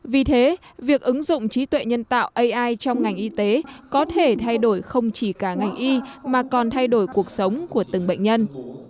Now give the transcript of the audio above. vì thế việc ứng dụng trí tuệ nhân tạo ai trong ngành y tế có thể thay đổi không chỉ cả ngành y mà còn thay đổi cuộc sống của từng bệnh nhân